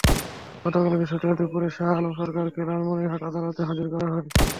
গতকাল বৃহস্পতিবার দুপুরে শাহ আলম সরকারকে লালমনিরহাট আদালতে হাজির করা হয়।